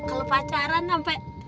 kalo pacaran sampai